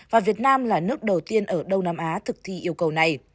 và việt nam là nước đầu tiên ở đông nam á thực thi yêu cầu này